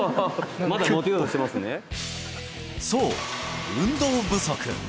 そう運動不足！